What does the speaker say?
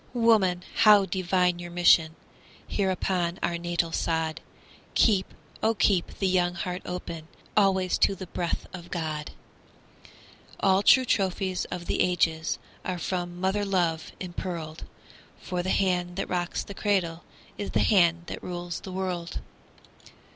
Woman, how divine your mission Here upon our natal sod! Keep, oh, keep the young heart open Always to the breath of God! All true trophies of the ages Are from mother love impearled; For the hand that rocks the cradle Is the hand that rules the world.